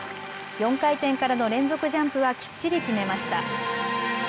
４回転からの連続ジャンプはきっちり決めました。